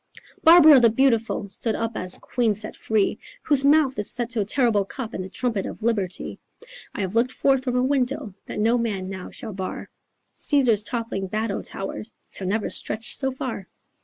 "Barbara the beautiful Stood up as queen set free, Whose mouth is set to a terrible cup And the trumpet of liberty. 'I have looked forth from a window That no man now shall bar, Caesar's toppling battle towers Shall never stretch so far.